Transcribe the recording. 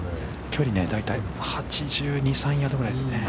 ◆距離は大体８２３ヤードぐらいですね。